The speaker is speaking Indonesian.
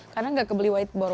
karena gak kebeli whiteboard